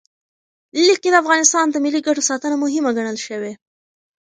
لیک کې د افغانستان د ملي ګټو ساتنه مهمه ګڼل شوې.